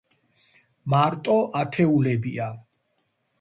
მარტო ათეულებია.